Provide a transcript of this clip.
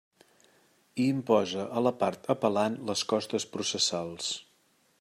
I imposa a la part apel·lant les costes processals.